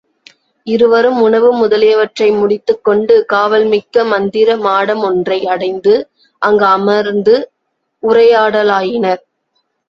இருவரும் உணவு முதலியவற்றை முடித்துக்கொண்டு காவல்மிக்க மந்திர மாடமொன்றை அடைந்து அங்கு அமர்ந்து உரையாடலாயினர்.